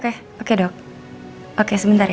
oke oke dok oke sebentar ya